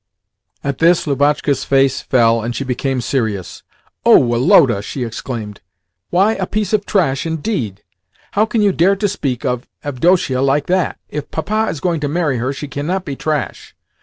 At this Lubotshka's face fell, and she became serious. "Oh, Woloda!" she exclaimed. "Why 'a piece of trash' indeed? How can you dare to speak of Avdotia like that? If Papa is going to marry her she cannot be 'trash.